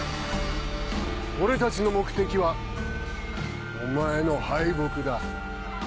俺たちの目的はお前の敗北だ。